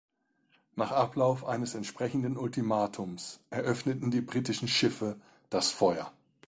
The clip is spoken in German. Nach Ablauf eines entsprechenden Ultimatums eröffneten die britischen Schiffe das Feuer.